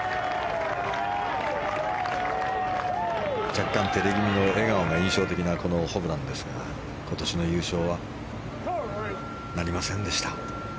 若干照れ気味の笑顔が印象的なこのホブランですが今年の優勝はなりませんでした。